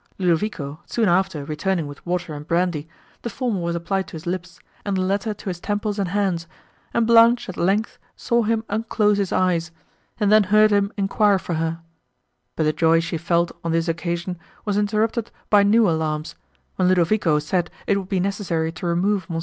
Ludovico soon after returning with water and brandy, the former was applied to his lips, and the latter to his temples and hands, and Blanche, at length, saw him unclose his eyes, and then heard him enquire for her; but the joy she felt, on this occasion, was interrupted by new alarms, when Ludovico said it would be necessary to remove Mons.